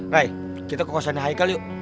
ray kita ke kosannya haikal yuk